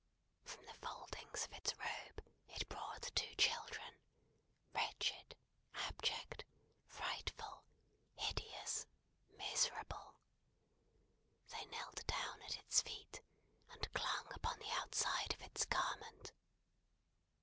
From the foldings of its robe, it brought two children; wretched, abject, frightful, hideous, miserable. They knelt down at its feet, and clung upon the outside of its garment.